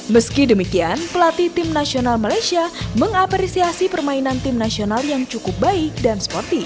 meski demikian pelatih tim nasional malaysia mengapresiasi permainan tim nasional yang cukup baik dan sportif